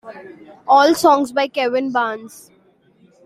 All songs by Kevin Barnes.